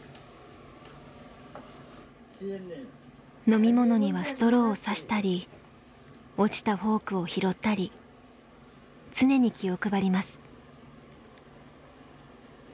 飲み物にはストローをさしたり落ちたフォークを拾ったり常に気を配ります。